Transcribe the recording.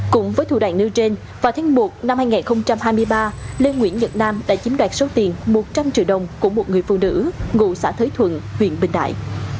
cũng với thủ đoạn nêu trên vào tháng một năm hai nghìn hai mươi ba lê nguyễn nhật nam đã chiếm đoạt số tiền một trăm linh triệu đồng của một người phụ nữ ngụ xã thới thuận huyện bình đại